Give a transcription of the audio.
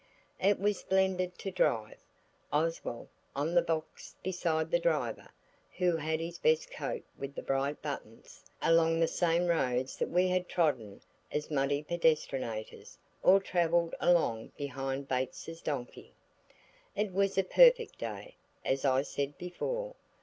It was splendid to drive (Oswald, on the box beside the driver, who had his best coat with the bright buttons) along the same roads that we had trodden as muddy pedestrinators, or travelled along behind Bates's donkey. It was a perfect day, as I said before.